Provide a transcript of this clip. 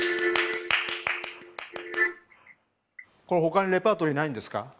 これほかにレパートリーないんですか？